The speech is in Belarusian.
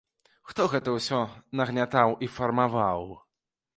Хто гэта ўсё нагнятаў і фармаваў?